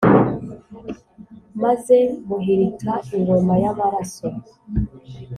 Maze muhirika ingoma y`amaraso.